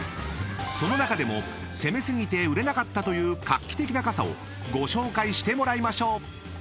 ［その中でも攻め過ぎて売れなかったという画期的な傘をご紹介してもらいましょう］